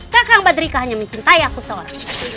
kakak mbak drika hanya mencintai aku seorang